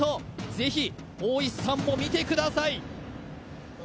ぜひ大石さんも見てください！